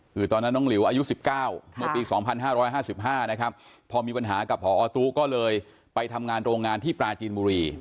คือตอนนั้นน้องหลิวอายุ๑๙เมื่อปี๒๕๕๕นะครับพอมีปัญหากับพอตู้ก็เลยไปทำงานโรงงานที่ปลาจีนบุรี